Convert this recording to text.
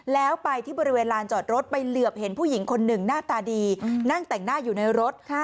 แล้วไปที่บริเวณลานจอดรถไปเหลือบเห็นผู้หญิงคนหนึ่งหน้าตาดีนั่งแต่งหน้าอยู่ในรถ